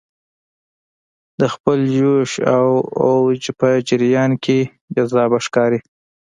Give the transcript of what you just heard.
د خپل جوش او اوج په جریان کې جذابه ښکاري.